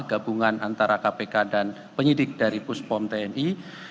gabungan antara kpk dan penyidik dari puspom tni